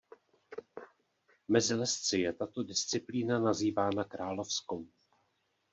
Mezi lezci je tato disciplína nazývána královskou.